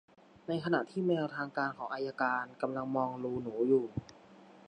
ในขณะที่แมวทางการของอัยการกำลังมองรูหนูอยู่